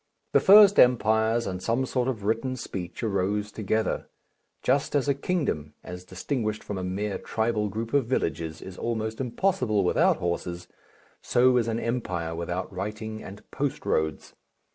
The first empires and some sort of written speech arose together. Just as a kingdom, as distinguished from a mere tribal group of villages, is almost impossible without horses, so is an empire without writing and post roads.